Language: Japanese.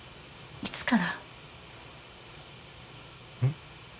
いつから？